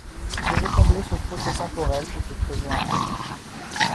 Je veux combler ce fossé temporel qui s’est creusé entre nous.